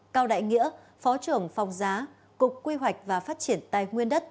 cao đại nghĩa phó trưởng phòng giá cục quy hoạch và phát triển tài nguyên đất